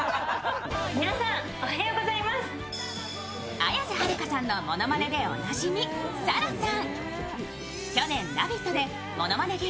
綾瀬はるかさんのものまねでおなじみ沙羅さん。